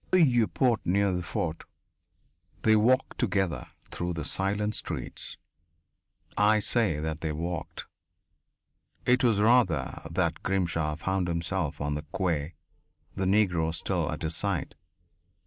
"In the Vieux Port, near the fort." They walked together through the silent streets. I say that they walked. It was rather that Grimshaw found himself on the quay, the Negro still at his side.